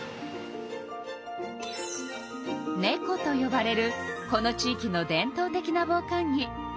「ねこ」とよばれるこの地いきの伝とう的なぼう寒着。